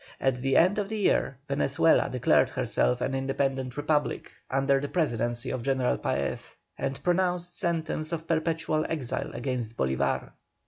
At the end of this year, Venezuela declared herself an independent Republic, under the Presidency of General Paez, and pronounced sentence of perpetual exile against Bolívar.